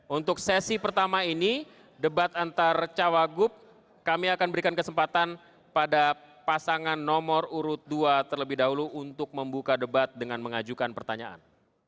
untuk sesi pertama ini debat antar cawagup kami akan berikan kesempatan pada pasangan nomor urut dua terlebih dahulu untuk membuka debat dengan mengajukan pertanyaan